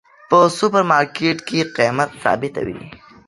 په سوپر مرکیټ کې قیمت ثابته وی